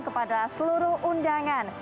kepada seluruh undangan